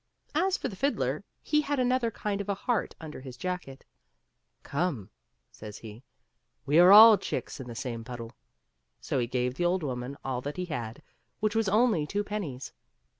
As for the fiddler, he had another kind of a heart under his jacket; " Come," says he, " we are all chicks in the same puddle." So he gave the old woman all that he had, which was only two pennies.